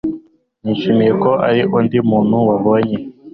Nishimiye ko ari undi muntu wabonye